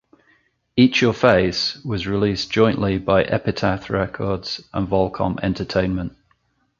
"Eat Your Face" was released jointly by Epitaph Records and Volcom Entertainment.